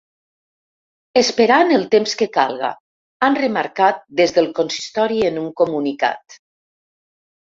Esperant el temps que calga, han remarcat des del consistori en un comunicat.